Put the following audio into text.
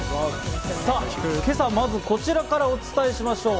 さぁ今朝はまずこちらからお伝えしましょう。